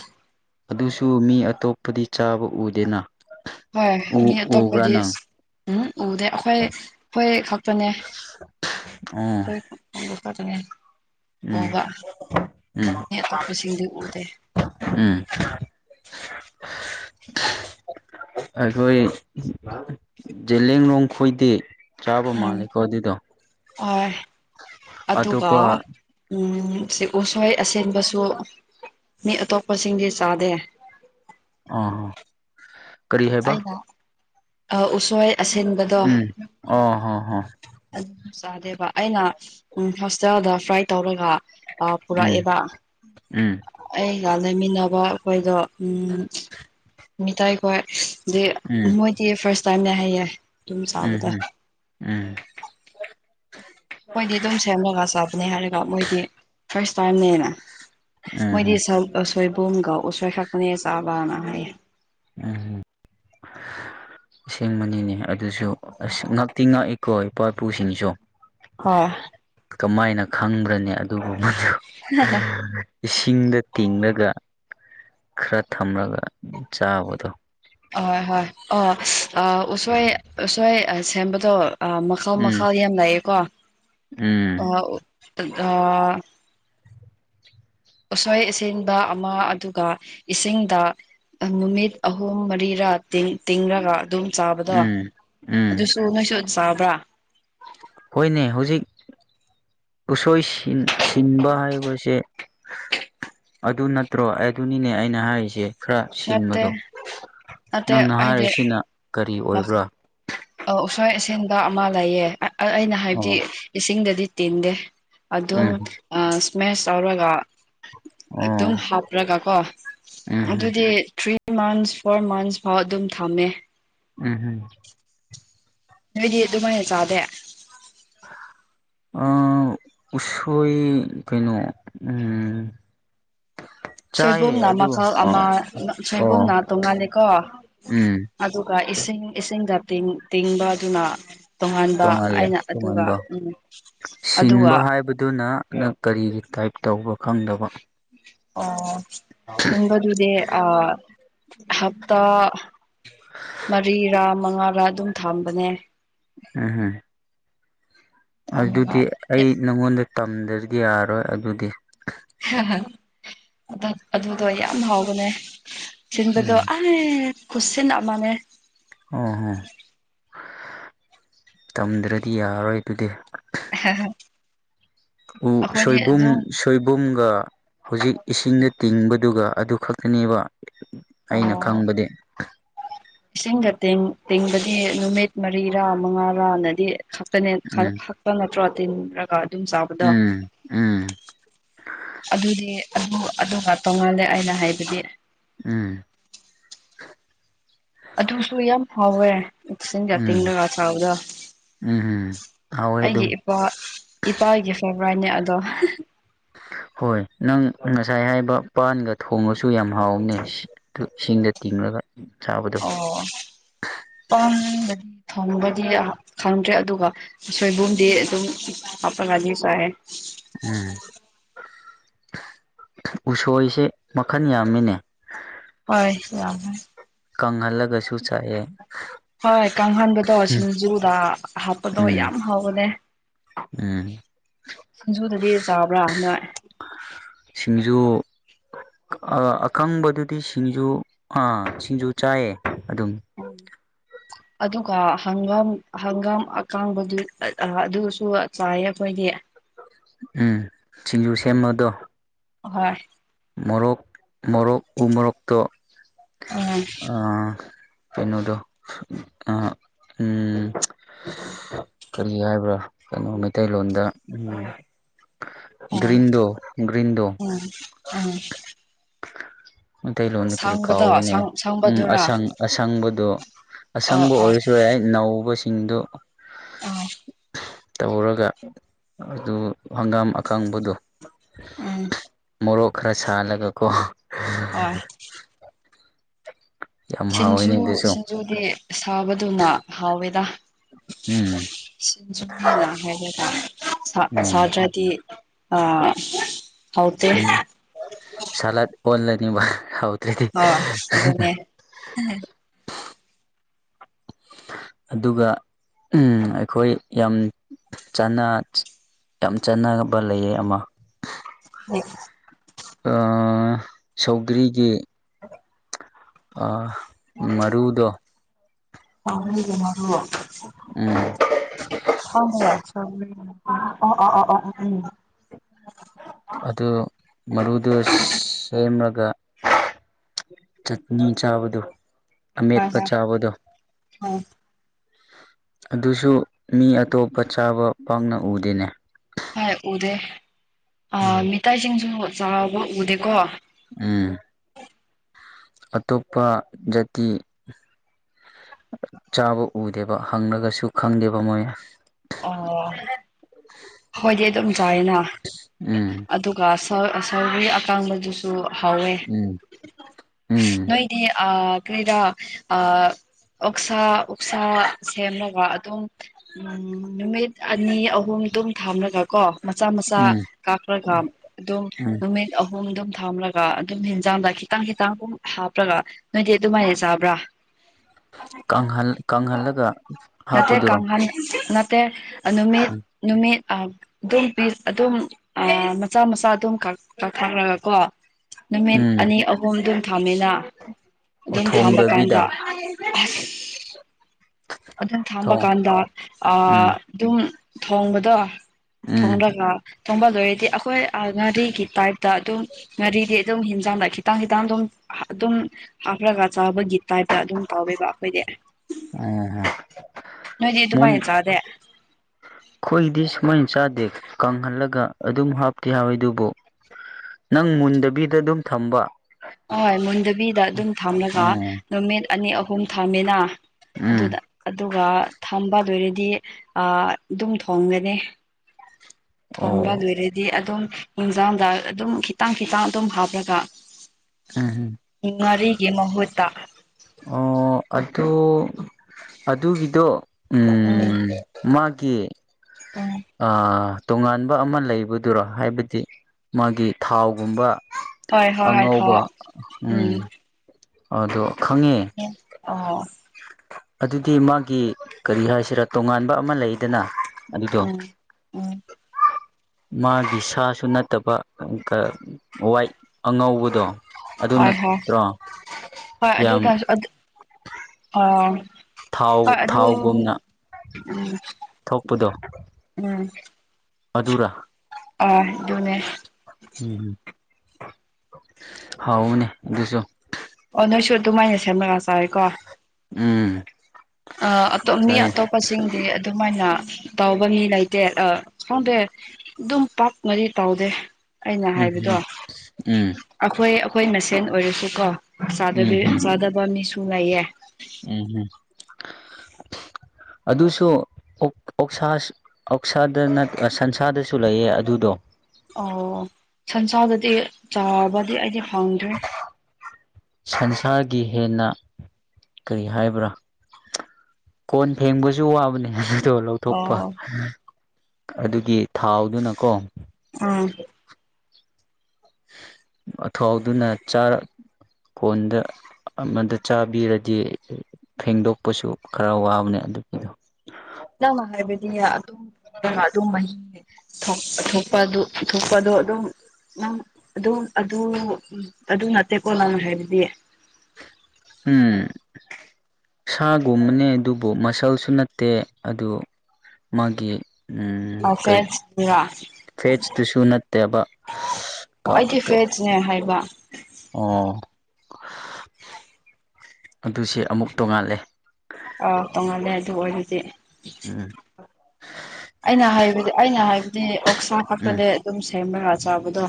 ꯑꯗꯨꯁꯨ ꯃꯤ ꯑꯇꯣꯞꯄꯗꯤ ꯆꯥꯕ ꯎꯗꯦꯅ ꯍꯣꯏ ꯃꯤ ꯎ ꯎꯕ꯭ꯔꯥ ꯑꯇꯣꯞꯄꯗꯤ ꯅꯪ ꯎꯝ ꯎꯗꯦ ꯑꯩꯈꯣꯏ ꯑꯩꯈꯣꯏ ꯈꯛꯇꯅꯦ ꯑꯣ [UNINTELLIGIBLE] ꯈꯛꯇꯅꯦ ꯎꯝ ꯎꯕ ꯎꯝ ꯃꯤ ꯑꯇꯣꯞꯄꯁꯤꯡꯗꯤ ꯎꯗꯦ ꯎꯝ ꯑꯩꯈꯣꯏ ꯖꯦꯂꯤꯌꯥꯡꯂꯣꯡ ꯈꯣꯏꯗꯤ ꯆꯥꯕ ꯃꯥꯜꯂꯦꯀꯣ ꯑꯗꯨꯗꯣ ꯍꯣꯢ ꯑꯗꯨꯒ ꯑꯇꯣꯞꯄ ꯎꯝ ꯁꯤ ꯎꯁꯣꯏ ꯑꯁꯦꯡꯕꯁꯨ ꯃꯤ ꯑꯇꯣꯞꯄꯁꯤꯡꯗꯤ ꯆꯥꯗꯦ ꯎꯝ ꯀꯔꯤ ꯍꯥꯏꯕ ꯑꯩꯅ ꯎꯁꯣꯏ ꯑꯁꯦꯟꯕ ꯎꯝ ꯑꯣ ꯍ ꯍ ꯑꯗꯨ ꯆꯥꯗꯦꯕ ꯑꯩꯅ ꯍꯣꯁꯇꯦꯜꯗ ꯐ꯭ꯔꯥꯏ ꯇꯧꯔꯒ ꯑꯥ ꯎꯝ ꯄꯨꯔꯛꯑꯦꯕ ꯎꯝ ꯑꯩꯒ ꯂꯩꯃꯤꯟꯅꯕ ꯑꯩꯈꯣꯏꯗꯣ ꯎꯝ ꯃꯤꯇꯩꯥꯈꯣꯏ ꯑ ꯎꯝ ꯃꯣꯏꯗꯤ ꯐꯥꯔꯁ ꯇꯥꯏꯝꯅꯦ ꯍꯥꯏꯌꯦ ꯑꯗꯨꯝ ꯎꯝ ꯆꯥꯕꯗꯣ ꯍꯨꯝ ꯎꯝ ꯑꯩꯈꯣꯢꯗꯤ ꯑꯗꯨꯝ ꯁꯦꯝꯃꯒ ꯆꯥꯕꯅꯦ ꯍꯥꯏꯔꯒ ꯃꯣꯏꯗꯤ ꯐꯥꯔꯁ ꯇꯥꯏꯝꯅꯦꯅ ꯃꯣꯏꯗꯤ ꯎꯝ ꯁꯧ ꯑ ꯁꯣꯏꯕꯨꯝꯒꯥ ꯎꯁꯣꯏ ꯈꯛꯇꯅꯦ ꯆꯥꯕꯅ ꯍꯥꯏꯌꯦ ꯎꯝ ꯍꯨꯝ ꯑꯁꯦꯡꯕꯅꯤꯅꯦ ꯑꯗꯨꯁꯨ ꯑꯁ ꯉꯥꯛꯇꯤ ꯉꯥꯛꯏꯀꯣ ꯏꯄꯥ ꯏꯄꯨꯁꯤꯡꯁꯨ ꯍꯣꯢ ꯀꯃꯥꯏꯅ ꯈꯪꯒꯅꯤ ꯑꯗꯨꯒꯨꯝꯕꯗꯨ ꯏꯁꯤꯡꯗ ꯇꯤꯡꯂꯒ ꯈꯔ ꯊꯝꯂꯒ ꯆꯥꯕꯗꯣ ꯑꯣꯏ ꯍꯣꯏ ꯑꯥ ꯎꯁꯣꯏ ꯎꯁꯣꯏ ꯁꯦꯝꯕꯗꯣ ꯃꯈꯥꯎ ꯎꯝ ꯃꯈꯥꯎ ꯌꯥꯝ ꯂꯥꯛꯑꯦꯀꯣ ꯎꯝ ꯎꯁꯣꯏ ꯑꯁꯤꯟꯕ ꯑꯃ ꯑꯗꯨꯒ ꯏꯁꯤꯡꯗ ꯅꯨꯃꯤꯠ ꯑꯍꯨꯝ ꯃꯔꯤꯔꯥ ꯇꯤꯡ ꯇꯤꯡꯔꯒ ꯑꯗꯨꯝ ꯆꯥꯕꯗꯣ ꯎꯝ ꯎꯝ ꯑꯗꯨꯁꯨ ꯅꯣꯏꯁꯨ ꯆꯥꯕ꯭ꯔꯥ ꯍꯣꯏꯅꯦ ꯍꯧꯖꯤꯛ ꯎꯁꯣꯏ ꯁꯤꯟꯕ ꯍꯥꯏꯕꯁꯦ ꯑꯗꯨ ꯅꯠꯇ꯭ꯔꯣ ꯑꯗꯨꯅꯤꯅꯦ ꯑꯩꯅ ꯍꯥꯏꯔꯤꯁꯦ ꯈꯔ ꯅꯠꯇꯦ ꯁꯤꯟꯕꯗꯣ ꯅꯠꯇꯦ ꯅꯪꯅ ꯍꯥꯏꯔꯤꯁꯤꯅ ꯀꯔꯤ ꯑꯣꯏꯕ꯭ꯔꯥ ꯑꯥ ꯎꯁꯣꯏ ꯑꯁꯦꯟꯕ ꯑꯃ ꯂꯩꯌꯦ ꯑꯩꯅ ꯍꯥꯏꯕꯗꯤ ꯑꯣ ꯏꯁꯤꯡꯗꯗꯤ ꯇꯤꯟꯗꯦ ꯑꯗꯨꯝ ꯎꯝ ꯁꯃꯦꯁ ꯇꯧꯔꯒ ꯑꯣ ꯑꯗꯨꯝ ꯍꯥꯞꯔꯒ ꯀꯣ ꯎꯝ ꯑꯗꯨꯗꯤ ꯊ꯭ꯔꯤ ꯃꯟꯁ ꯐꯣꯔ ꯃꯟꯁ ꯐꯥꯎ ꯑꯗꯨꯝ ꯊꯝꯃꯦ ꯎꯝ ꯍꯝ [UNINTELLIGIBLE] ꯅꯣꯏꯗꯤ ꯑꯗꯨꯃꯥꯏꯅ ꯆꯥꯗꯦ ꯑꯥ ꯎꯁꯣꯏ ꯀꯩꯅꯣ ꯎꯝ [UNINTELLIGIBLE] ꯆꯥꯏꯌꯦ ꯁꯣꯏꯕꯨꯝꯅ ꯑꯗꯨ ꯃꯈꯜ ꯑꯃ ꯑꯣ ꯑꯣ ꯁꯣꯏꯕꯨꯝꯅ ꯇꯣꯡꯉꯥꯂꯦꯀꯣ ꯎꯝ ꯑꯗꯨꯒ ꯏꯁꯤꯡ ꯏꯁꯤꯡꯗ ꯇꯤꯡꯕ ꯑꯗꯨꯅ ꯇꯣꯉꯥꯟꯕ ꯇꯣꯡꯉꯥꯜꯂꯦ ꯑꯩꯅ ꯑꯗꯨꯒ ꯇꯣꯉꯥꯟꯕ ꯎꯝ ꯑꯗꯨꯒ ꯁꯤꯟꯕ ꯍꯥꯏꯕꯗꯨꯅ ꯅ ꯀꯔꯤꯒꯤ ꯇꯥꯏꯞ ꯇꯧꯕ ꯈꯪꯗꯕ ꯑꯣ ꯁꯤꯟꯕꯗꯨꯗꯤ ꯑꯥ ꯍꯞꯇꯥ ꯃꯔꯤꯔꯥ ꯃꯉꯥꯔꯥ ꯑꯗꯨꯝ ꯊꯝꯕꯅꯦ ꯎꯝ ꯍꯝ ꯑꯗꯨꯗꯤ ꯊꯝꯃꯒ ꯑꯩ ꯅꯪꯉꯣꯟꯗ ꯇꯝꯗ꯭ꯔꯗꯤ ꯌꯥꯔꯣꯏ ꯑꯗꯨꯗꯤ ꯑꯗꯨꯗꯣ ꯌꯥꯝ ꯍꯥꯎꯕꯅꯦ ꯁꯤꯟꯕꯗꯣ ꯎꯝ ꯑꯁ ꯍ ꯈꯨꯁꯤꯟ ꯑꯃꯥꯅꯦ ꯑꯣꯍꯣ ꯇꯝꯗ꯭ꯔꯗꯤ ꯌꯥꯔꯣꯏ ꯑꯗꯨꯗꯤ ꯍ [UNINTELLIGIBLE] ꯎꯝ ꯁꯣꯏꯕꯨꯝ ꯁꯣꯏꯕꯨꯝꯒ ꯍꯧꯖꯤꯛ ꯏꯁꯤꯡꯗ ꯇꯤꯡꯕꯗꯨꯒ ꯑꯗꯨ ꯈꯛ ꯑꯅꯦꯕ ꯑꯩꯅ ꯈꯪꯕꯗꯤ ꯏꯁꯤꯡꯗ ꯇꯦꯡ ꯇꯤꯡꯕꯗꯤ ꯅꯨꯃꯤꯠ ꯃꯔꯤꯔꯥ ꯃꯉꯥꯔꯥꯅꯗꯤ ꯈꯛꯇꯅꯦ ꯎꯝ ꯆꯪ ꯅꯠꯇ꯭ꯔꯣ ꯇꯤꯟꯔꯒ ꯑꯗꯨꯝ ꯆꯥꯕꯗ ꯎꯝ ꯎꯝ ꯑꯗꯨꯗꯤ ꯑꯗꯨ ꯑꯗꯨꯒ ꯇꯣꯡꯉꯥꯜꯂꯦ ꯑꯩꯅ ꯍꯥꯏꯕꯗꯤ ꯎꯝ ꯑꯗꯨꯁꯨ ꯌꯥꯝ ꯍꯥꯎꯋꯦ ꯏꯁꯤꯡꯗ ꯎꯝ ꯇꯤꯡꯔꯒ ꯆꯥꯕꯗꯣ ꯎꯝ ꯍꯥꯎꯏ ꯑꯗꯨꯝ ꯏ ꯏꯄꯥꯒꯤ ꯐꯦꯕ꯭ꯔꯥꯏꯠꯅꯦ ꯑꯗꯣ ꯍꯣꯏ ꯅꯪ ꯉꯁꯥꯏ ꯍꯥꯏꯕ ꯄꯥꯟꯒ ꯊꯣꯡꯉꯁꯨ ꯌꯥꯝ ꯍꯥꯎꯅꯦ ꯇꯨ ꯏꯁꯤꯡꯗ ꯇꯤꯡꯔꯒ ꯆꯥꯕꯗ ꯑꯣ ꯄꯥꯟꯒ ꯊꯣꯡꯕꯗꯤ ꯈꯪꯗ꯭ꯔꯦ ꯑꯗꯨꯒ ꯁꯣꯏꯕꯨꯝꯗꯤ ꯑꯗꯨꯝ ꯍꯥꯥꯡꯒꯥꯗꯤꯁꯨ ꯍꯥꯏ ꯎꯝ ꯎꯁꯣꯏꯁꯦ ꯃꯈꯟ ꯌꯥꯝꯃꯤꯅꯦ ꯍꯣꯏ ꯌꯥꯝꯃꯦ ꯀꯪꯍꯜꯂꯒꯁꯨ ꯆꯥꯏꯑ ꯍꯣꯏ ꯀꯥꯡꯍꯟꯕꯗꯣ ꯁꯤꯡꯖꯨꯗꯥ ꯍꯥꯞꯄꯗꯣ ꯎꯝ ꯌꯥꯝ ꯍꯥꯎꯕꯅꯦ ꯎꯝ ꯁꯤꯡꯖꯨꯗꯗꯤ ꯆꯥꯕ꯭ꯔꯥ ꯅꯣꯏ ꯁꯤꯡꯖꯨ ꯑꯀꯪꯕꯗꯨꯗꯤ ꯁꯤꯡꯖꯨ ꯑꯥ ꯁꯤꯡꯖꯨ ꯆꯥꯏꯌꯦ ꯑꯗꯨꯝ ꯑꯗꯨꯒ ꯍꯪꯒꯥꯝ ꯍꯪꯒꯥꯝ ꯑꯀꯥꯡꯕꯗꯨ ꯑꯗꯨꯁꯨ ꯆꯥꯏꯌꯦ ꯑꯩꯈꯣꯏꯗꯤ ꯎꯝ ꯁꯤꯡꯖꯨ ꯁꯦꯝꯃꯗꯣ ꯍꯣꯏ ꯃꯣꯔꯣꯛ ꯃꯣꯔꯣꯛ ꯎ ꯃꯣꯔꯣꯛꯇ ꯑ ꯀꯩꯅꯣꯗꯣ ꯎ ꯑꯥ ꯎꯝ ꯀꯔꯤ ꯍꯥꯏꯕ꯭ꯔꯥ ꯀꯩꯅꯣ ꯃꯩꯇꯩꯂꯣꯟꯗ ꯎꯝ ꯒ꯭ꯔꯤꯟꯗꯣ ꯒ꯭ꯔꯤꯟꯗꯣ ꯎꯝ ꯎꯝ ꯃꯩꯇꯩꯂꯣꯟꯗ ꯀꯔꯤ ꯁꯥꯡꯕꯗꯣ ꯀꯥꯎꯔꯤꯅꯦ ꯎꯝ ꯁꯥꯡꯕꯗꯨꯔꯥ ꯑꯁꯪ ꯑꯁꯪꯕꯗꯣ ꯑꯣ ꯑꯁꯪꯕ ꯑꯣ ꯑꯣꯏꯔꯁꯨ ꯌꯥꯏ ꯅꯧꯕꯁꯤꯡꯗꯨ ꯑ ꯇꯧꯔꯒ ꯑꯗꯨ ꯍꯪꯒꯥꯝ ꯑꯀꯪꯕꯗꯣ ꯑꯝ ꯃꯣꯔꯣꯛ ꯈꯔ ꯁꯥꯍꯜꯂꯒꯀꯣ ꯑꯥꯏ ꯌꯥꯝ ꯍꯥꯎꯋꯤꯅꯦ ꯁꯤꯡꯖꯨ ꯑꯗꯨꯁꯨ ꯁꯤꯡꯖꯨꯗꯤ ꯁꯥꯕꯗꯨꯅ ꯍꯥꯎꯋꯦꯗ ꯎꯝ ꯁꯤꯡꯖꯨꯅꯦꯅ ꯍꯥꯏꯔꯗ ꯎꯝ ꯁꯥꯇ꯭ꯔꯗꯤ ꯑꯥ ꯁꯤꯡꯖꯨ ꯁꯂꯥꯗ ꯑꯣꯜꯂꯅꯤꯕ ꯍꯥꯎꯗ꯭ꯔꯗꯤ ꯎꯝ ꯑꯗꯨꯒ ꯎꯝ ꯑꯩꯈꯣꯏ ꯌꯥꯝ ꯆꯥꯅ ꯌꯥꯝ ꯆꯥꯟꯅꯕ ꯂꯩꯌꯦ ꯑꯃ [UNINTELLIGIBLE] ꯑ ꯁꯧꯒ꯭ꯔꯤꯗꯤ [INAUDIBLE] ꯑ ꯃꯔꯨꯗꯣ ꯑꯍꯨꯝꯒꯤ ꯃꯔꯨ ꯎꯝ [UNINTELLIGIBLE] ꯑꯗꯨ ꯃꯔꯨꯗꯨ ꯁꯦꯝꯃꯒ ꯆꯠꯅꯤ ꯆꯥꯕꯗꯣ ꯍꯣꯏ ꯑꯃꯦꯠꯄ ꯍꯣꯏ ꯆꯥꯕꯗꯣ ꯎꯝ ꯑꯗꯨꯁꯨ ꯃꯤ ꯑꯇꯣꯞꯄ ꯆꯥꯕ ꯄꯥꯛꯅ ꯎꯗꯦꯅꯦ ꯍꯣꯏ ꯎꯗꯦ ꯑ ꯎꯝ ꯃꯤꯇꯩꯁꯤꯡꯁꯨ ꯆꯥꯕ ꯎꯗꯦꯀꯣ ꯎꯝ ꯑꯇꯣꯞꯄ ꯖꯥꯇꯤ ꯆꯥꯕ ꯎꯗꯦꯕ ꯍꯪꯂꯒꯁꯨ ꯈꯪꯗꯦꯕ ꯃꯣꯏꯅ ꯑꯣ ꯈꯣꯏꯗꯤ ꯑꯗꯨꯝ ꯆꯥꯏꯌꯦꯅ ꯎꯝ ꯑꯗꯨꯛ ꯒ ꯑꯁꯔ ꯁꯧꯒ꯭ꯔꯤ ꯑꯀꯥꯡꯕꯗꯨꯁꯨ ꯍꯥꯎꯋꯦ ꯎꯝ ꯎꯝ ꯅꯣꯏꯗꯤ ꯑꯥ ꯀꯔꯤꯔꯥ ꯑꯥ ꯑꯣꯛꯁꯥ ꯑꯣꯛꯁꯥ ꯁꯦꯝꯂꯒ ꯑꯗꯨꯝ ꯎꯝ ꯅꯨꯃꯤꯠ ꯑꯅꯤ ꯑꯍꯨꯝ ꯑꯗꯨꯝ ꯊꯥꯝꯂꯒ ꯀꯣ ꯃꯆꯥ ꯃꯆꯥ ꯎꯝ ꯀꯥꯛꯈ꯭ꯔꯒ ꯑꯗꯨꯝ ꯎꯝ ꯅꯨꯃꯤꯠ ꯑꯍꯨꯝ ꯑꯗꯨꯝ ꯊꯝꯂꯒ ꯑꯗꯨꯝ ꯍꯟꯖꯥꯡꯗ ꯈꯤꯇꯪ ꯈꯤꯇꯪ ꯑꯗꯨꯝ ꯍꯥꯞꯄꯒ ꯅꯣꯏꯗꯤ ꯑꯗꯨꯃꯥꯏꯅ ꯆꯥꯕ꯭ꯔꯥ ꯀꯪꯍꯜ ꯀꯪꯍꯜꯂꯒ ꯅꯠꯇꯦ ꯍꯥꯞꯄꯗꯨꯔꯣ ꯀꯥꯡꯍꯟ ꯅꯠꯇꯦ ꯅꯨꯃꯤꯠ ꯎꯝ ꯅꯨꯃꯤꯠ ꯑꯗꯨꯝ ꯄꯤꯁ ꯑꯗꯨꯝ ꯑꯥ ꯃꯆꯥ ꯃꯆꯥ ꯑꯗꯨꯝ ꯀꯛ ꯀꯛꯊꯔꯒ ꯀꯣ ꯅꯨꯃꯤꯠ ꯎꯝ ꯑꯅꯤ ꯑꯍꯨꯝ ꯑꯗꯨꯝ ꯊꯝꯃꯤꯅ ꯑꯣ ꯑꯗꯨꯝ ꯊꯥꯝꯕ ꯀꯥꯟꯗ ꯊꯣꯡꯗꯕꯤꯗ ꯑꯁ ꯑꯗꯨꯝ ꯊꯝꯕ ꯊꯣꯡ ꯀꯥꯟꯗ ꯑꯥ ꯎꯝ ꯑꯗꯨꯝ ꯊꯣꯡꯕꯗꯣ ꯎꯝ ꯊꯣꯡꯔꯒ ꯊꯣꯡꯕ ꯂꯣꯏꯔꯗꯤ ꯑꯩꯈꯣꯏ ꯑ ꯉꯥꯔꯤꯒꯤ ꯇꯥꯏꯞꯇ ꯑꯗꯨꯝ ꯉꯥꯔꯤꯗꯤ ꯑꯗꯨꯝ ꯍꯦꯟꯖꯥꯡꯗ ꯈꯤꯠ ꯇꯥꯡꯉꯤ ꯇꯥꯡꯗꯣ ꯑꯗꯨꯝ ꯍꯥꯞꯔꯒ ꯆꯥꯕꯒꯤ ꯇꯥꯏꯞꯇ ꯑꯗꯨꯝ ꯇꯧꯋꯦꯕ ꯑꯩꯈꯣꯏꯗꯤ ꯑ ꯅꯣꯏꯗꯤ ꯃꯎꯟ ꯑꯗꯨꯃꯥꯏꯅ ꯆꯥꯗꯦ ꯈꯣꯢꯗꯤ ꯁꯨ ꯃꯣꯏꯅ ꯆꯥꯗꯦ ꯀꯪꯍꯜꯂꯒ ꯑꯗꯨꯝ ꯍꯥꯞꯇꯦ ꯍꯥꯎꯏ ꯑꯗꯨꯕꯨ ꯅꯪ ꯃꯨꯟꯗꯕꯤꯗ ꯑꯗꯨꯝ ꯊꯝꯕ ꯍꯣꯏ ꯃꯨꯟꯗꯕꯤꯗ ꯑꯗꯨꯝ ꯊꯝꯂꯒ ꯎꯝ ꯅꯨꯃꯤꯠ ꯑꯅꯤ ꯑꯍꯨꯝ ꯊꯝꯃꯤꯅ ꯎꯝ ꯑꯗꯨꯗ ꯑꯗꯨꯒ ꯊꯝꯕ ꯂꯣꯏꯔꯗꯤ ꯑꯥ ꯑꯗꯨꯝ ꯊꯣꯡꯒꯅꯤ ꯊꯣꯡꯕ ꯑꯣ ꯂꯣꯏꯔꯗꯤ ꯑꯗꯨꯝ ꯌꯦꯟꯖꯥꯡꯗ ꯑꯗꯨꯝ ꯈꯤꯇꯪ ꯈꯤꯇꯪ ꯑꯗꯨꯝ ꯍꯥꯞꯂꯒ ꯎꯝ ꯍꯝ ꯉꯔꯤꯒꯤ ꯃꯍꯨꯠꯇ ꯑꯣ ꯑꯗꯨ ꯑꯗꯨꯒꯤꯗꯣ ꯎꯝ ꯃꯥꯒꯤ ꯎꯝ ꯑꯥ ꯇꯣꯉꯥꯟꯕ ꯑꯃ ꯂꯩꯕꯗꯨꯔꯣ ꯍꯥꯏꯕꯗꯤ ꯃꯥꯒꯤ ꯊꯥꯎꯒꯨꯝꯕ ꯍꯣꯏ ꯍꯣꯏ ꯍꯣꯏ ꯑꯉꯧꯕ ꯊꯣꯛꯑꯣ ꯎꯝ ꯑꯗꯣ ꯈꯪꯉꯦ ꯑꯥ ꯑꯗꯨꯗꯤ ꯃꯥꯒꯤ ꯀꯔꯤ ꯍꯥꯏꯁꯤꯔꯥ ꯇꯣꯉꯥꯟꯕ ꯑꯃ ꯂꯩꯗꯅ ꯑꯗꯨꯗꯣ ꯎꯝ ꯎꯝ ꯃꯥꯒꯤ ꯁꯥꯁꯨ ꯅꯠꯇꯕ ꯀ ꯋꯥꯏꯠ ꯑꯉꯧꯕꯗꯣ ꯑꯗꯨ ꯍꯣꯏ ꯍꯣꯏ ꯅꯠꯇ꯭ꯔꯣ ꯍꯣꯏ ꯑꯗꯨ ꯌꯥꯝ ꯇꯁꯨ ꯑꯗꯨ ꯑꯣ ꯊꯥꯎ ꯍꯣꯏ ꯑꯗꯨ ꯊꯥꯎꯒꯨꯝꯅ ꯎꯝ ꯊꯣꯛꯄꯗꯣ ꯎꯝ ꯑꯗꯨꯔꯥ ꯑ ꯑꯗꯨꯅꯦ ꯎꯝ ꯍꯥꯎꯅꯦ ꯑꯗꯨꯁꯨ ꯑꯣ ꯅꯣꯏꯁꯨ ꯑꯗꯨꯃꯥꯏꯅ ꯁꯦꯝꯔꯒ ꯆꯥꯏꯌꯦꯀꯣ ꯎꯝ ꯑ ꯑꯇꯣ ꯃꯤ ꯆꯥꯏꯌꯦ ꯑꯇꯣꯞꯄꯁꯤꯡꯗꯤ ꯑꯗꯨꯃꯥꯏꯅ ꯇꯧꯕ ꯃꯤ ꯂꯩꯇꯦ ꯑ ꯈꯪꯗꯦ ꯑꯗꯨꯝ ꯄꯥꯛ ꯃꯔꯤ ꯇꯥꯎꯗꯦ ꯑꯩꯅ ꯎꯝ ꯍꯥꯏꯕꯗꯣ ꯎꯝ ꯑꯩꯈꯣꯏ ꯑꯩꯈꯣꯏ ꯃꯁꯦꯟ ꯑꯣꯏꯔꯁꯨ ꯀꯣ ꯎꯝ ꯆꯥꯗꯕꯤ ꯎꯝ ꯎꯝ ꯆꯥꯗꯕ ꯃꯤꯁꯨ ꯂꯩꯌꯦ ꯎꯝ [INAUDIBLE] ꯑꯗꯨꯁꯨ ꯑꯣꯛ ꯑꯣꯛꯁꯥꯁꯨ ꯑꯣꯛꯁꯥꯗ ꯅꯠ ꯁꯟꯁꯥꯗꯁꯨ ꯂꯩꯌꯦ ꯑꯗꯨꯗꯣ ꯑꯣ ꯁꯟꯁꯥꯗꯗꯤ ꯆꯥꯕꯗꯤ ꯑꯩꯗꯤ ꯐꯪꯗ꯭ꯔꯦ ꯁꯪꯁꯥꯔꯒꯤ ꯍꯦꯟꯅ ꯀꯔꯤ ꯍꯥꯏꯕ꯭ꯔꯥ ꯀꯣꯟ ꯐꯦꯡꯕꯁꯨ ꯋꯥꯕꯅꯦ ꯣ ꯂꯧꯊꯣꯛꯄ ꯑꯣ ꯑꯗꯨꯒꯤ ꯊꯥꯎꯗꯨꯅꯀꯣ ꯎꯝ ꯑꯊꯥꯎꯗꯨꯅ ꯆꯥꯔ ꯀꯣꯟꯗ ꯑꯃꯗ ꯆꯥꯕꯤꯔꯗꯤ ꯐꯦꯡꯗꯣꯛꯄꯁꯨ ꯈꯔ ꯋꯥꯕꯅꯦ ꯑꯗꯨꯒꯤꯗꯣ ꯅꯪꯃ ꯍꯥꯏꯕꯗꯤ ꯑꯗꯨꯝ ꯑꯗꯨꯝ ꯃꯍꯤ ꯊꯣꯛ ꯊꯣꯛꯄꯗꯨ ꯐꯨꯠꯇꯣꯛꯄꯗꯣ ꯑꯗꯨꯝ ꯅꯪ ꯑꯗꯨꯝ ꯑꯗꯨ ꯑꯗꯨ ꯅꯠꯇꯦꯀꯣ ꯅꯪꯅ ꯍꯥꯏꯕꯗꯤ ꯎꯝ ꯁꯥꯒꯨꯝꯕꯅꯦ ꯑꯗꯨꯕꯨ ꯃꯁꯜꯁꯨ ꯅꯠꯇꯦ ꯑꯗꯨ ꯃꯥꯒꯤ ꯑꯁꯦ ꯁꯤꯒ ꯐꯦꯠꯁ ꯇꯨꯁꯨ ꯅꯠꯇꯕ ꯀꯣ ꯀꯩ ꯉꯥꯏ ꯍꯥꯏꯕ ꯑꯣ ꯑꯗꯨꯁꯦ ꯑꯃꯨꯛ ꯇꯣꯡꯉꯥꯜꯂꯦ ꯑꯥꯎ ꯇꯣꯡꯉꯥꯜꯂꯦ ꯑꯗꯨ ꯑꯣꯏꯔꯗꯤ ꯎꯝ ꯑꯩꯅ ꯍꯥꯏꯕꯗꯤ ꯑꯩꯅ ꯍꯥꯏꯕꯗꯤ ꯑꯣꯛꯁꯥ ꯎꯝ ꯈꯛꯇꯅꯦ ꯑꯗꯨꯝ ꯁꯦꯝꯔꯒ ꯆꯥꯕꯗꯣ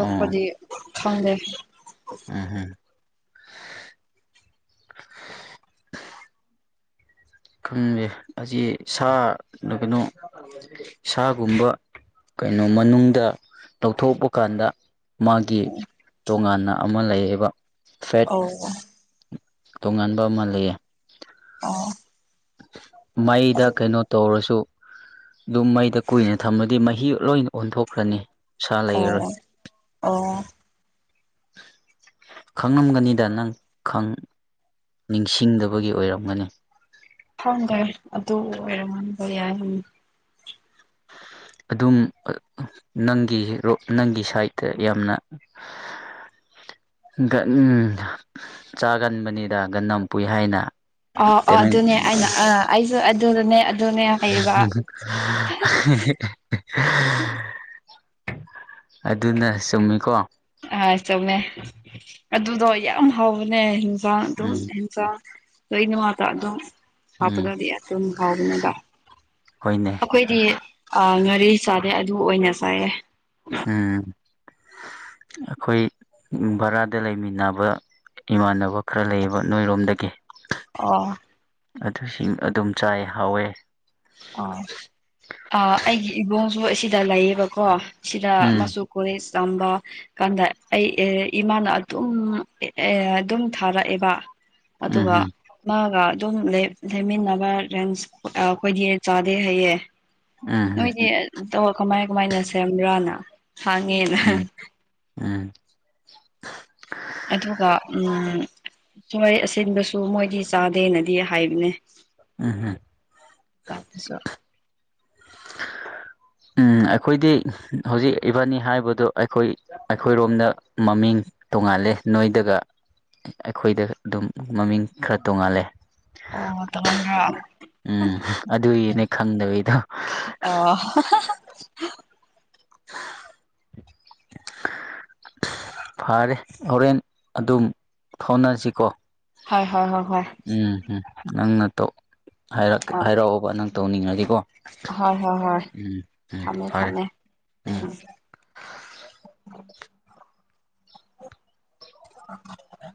ꯑꯣ ꯈꯪꯗꯦ ꯎꯝ ꯍꯝ ꯈꯪꯉꯤꯅꯦ ꯑꯁꯤ ꯁꯥ ꯅ ꯀꯩꯅꯣ ꯁꯥꯒꯨꯝꯕ ꯀꯩꯅꯣ ꯃꯅꯨꯡꯗ ꯂꯧꯊꯣꯛꯄ ꯀꯥꯟꯗ ꯃꯥꯒꯤ ꯇꯣꯉꯥꯟꯅ ꯑꯃ ꯂꯩꯌꯦꯕ ꯐꯦꯠ ꯑꯣ ꯇꯣꯉꯥꯟꯕ ꯑꯃ ꯂꯩꯌꯦ ꯑꯣ ꯃꯩꯗ ꯑꯗꯨ ꯀꯩꯅꯣ ꯇꯧꯔꯁꯨ ꯑꯗꯨꯝ ꯃꯩꯗ ꯀꯨꯏꯅ ꯊꯝꯃꯗꯤ ꯃꯍꯤ ꯂꯣꯏꯅ ꯑꯣꯟꯊꯣꯛꯈ꯭ꯔꯅꯤ ꯁꯥ ꯂꯩꯔꯔꯣꯏ ꯑꯣ ꯑꯣ ꯈꯪꯉꯝꯒꯅꯤꯗ ꯅꯪ ꯅꯤꯡꯁꯤꯡꯗꯕꯒꯤ ꯑꯣꯏꯔꯝꯒꯅꯤ ꯊꯗꯦ ꯑꯗꯨ ꯑꯣꯏꯔꯝꯃꯕ ꯌꯥꯏ ꯑꯗꯨꯝ ꯅꯪꯒꯤ ꯅꯪꯒꯤ ꯁꯥꯏꯗꯠꯇ ꯌꯥꯝꯅ ꯍꯟꯗꯛ ꯎꯝ ꯆꯥꯒꯟꯕꯅꯤꯗ ꯒꯟꯅꯝ ꯄꯨꯨꯏ ꯍꯥꯏꯅ ꯑꯣ ꯑꯣ ꯇꯃꯦꯡ ꯑꯗꯨꯅꯦ ꯑꯩꯅ ꯑ ꯑꯩꯁꯨ ꯑ ꯑꯗꯨꯗꯅꯦ ꯑꯗꯨꯅꯦ ꯍꯥꯏꯌꯦꯕ ꯑꯗꯨꯅ ꯆꯨꯝꯃꯤꯀꯣ ꯑ ꯆꯪꯃꯦ ꯑꯗꯨꯗꯣ ꯌꯥꯝ ꯍꯕꯅꯦ ꯌꯦꯟꯖꯥꯡ ꯑꯗꯨꯝ ꯎꯝ ꯏꯩꯅ ꯃꯥꯇ ꯑꯗꯨꯣ ꯎꯝ ꯍꯥꯞꯄꯗꯗꯤ ꯑꯗꯨꯝ ꯍꯥꯎꯕꯅꯦꯕ ꯍꯣꯏꯅꯦ ꯑꯩꯈꯣꯏꯗꯤ ꯑꯥ ꯉꯥꯔꯤ ꯆꯥꯗꯦ ꯑꯗꯨ ꯑꯣꯏꯅ ꯆꯥꯏꯌꯦ ꯎꯝ ꯑꯩꯈꯣꯏ ꯚꯔꯥꯗ ꯂꯩꯃꯤꯟꯅꯕ ꯏꯃꯥꯟꯅꯕ ꯈꯔ ꯂꯩꯌꯦꯕ ꯅꯣꯏꯔꯣꯝꯗꯒꯤ ꯑꯣ ꯑꯗꯨꯁꯤꯡ ꯑꯗꯨꯝ ꯆꯥꯏ ꯍꯥꯎꯋꯦ ꯑ ꯑꯩꯒꯤ ꯏꯕꯣꯡꯁꯨ ꯑꯁꯤꯗ ꯂꯩꯌꯦꯕꯀꯣ ꯁꯤꯗ ꯎꯝ ꯃꯁꯨ ꯀꯣꯏ ꯁꯝꯕ ꯀꯥꯟꯗ ꯑꯩ ꯏꯃꯥꯅ ꯑꯗꯨꯝ ꯑꯗꯨꯝ ꯊꯥꯔꯛꯑꯦꯕ ꯎꯝ ꯑꯗꯨꯒ ꯎꯝ ꯃꯥꯒ ꯑꯗꯨꯝ ꯂꯩꯃꯤꯟꯅꯕ ꯔꯦꯟꯁ ꯑꯩꯈꯣꯏꯗꯤ ꯆꯥꯗꯦ ꯍꯩꯌꯦꯦ ꯎꯝ ꯎꯝ ꯅꯣꯏꯗꯤꯧ ꯀꯃꯥꯏ ꯀꯃꯥꯏꯅ ꯁꯦꯝꯕ꯭ꯔꯥꯅ ꯍꯥꯡꯉꯦꯅ ꯎꯝ ꯎꯝ ꯑꯗꯨꯒ ꯊꯣꯏ ꯑꯁꯤꯟꯕꯁꯨ ꯃꯣꯏꯗꯤ ꯆꯥꯗꯦꯅꯗꯤ ꯍꯥꯏꯕꯅꯦ ꯎꯝ ꯍꯝ ꯇꯁꯨꯣ ꯎꯝ ꯑꯩꯈꯣꯏꯗꯤ ꯍꯧꯖꯤꯛ ꯏꯕꯥꯅꯤ ꯍꯥꯏꯕꯗꯨ ꯑꯩꯈꯣꯏ ꯑꯩꯈꯣꯏꯔꯣꯝꯗ ꯃꯃꯤꯡ ꯇꯣꯡꯉꯥꯜꯂꯦ ꯅꯣꯏꯗꯒ ꯑꯩꯈꯣꯏꯗ ꯑꯗꯨꯝ ꯃꯃꯤꯡ ꯈꯔ ꯇꯣꯡꯉꯥꯜꯂꯦ ꯑꯣ ꯇꯧꯍꯟꯕ꯭ꯔꯥ ꯎꯝ ꯑꯗꯨꯏꯅꯦ ꯈꯪꯗꯕꯤꯩꯗꯣ ꯑꯣ [INAUDIBLE] ꯐꯔꯦ ꯍꯣꯔꯦꯟ ꯑꯗꯨꯝ ꯐꯥꯎꯅꯁꯤꯀꯣ ꯍꯣꯏ ꯍꯣꯏ ꯍꯣꯏ ꯍꯣꯏ ꯎꯝ ꯎꯝ ꯅꯪꯅꯧ ꯑ ꯍꯥꯏꯔꯛꯑꯣꯕ ꯅꯪ ꯇꯧꯅꯤꯡꯉꯁꯤꯀꯣ ꯍꯣꯏ ꯍꯣꯏ ꯍꯣꯏ ꯎꯝ ꯎꯝ ꯊꯝꯃꯦ ꯐꯔꯦ ꯊꯝꯃꯦ ꯎꯝ ꯑ ꯑ